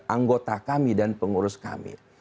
anggota kami dan pengurus kami